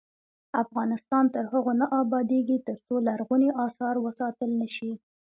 افغانستان تر هغو نه ابادیږي، ترڅو لرغوني اثار وساتل نشي.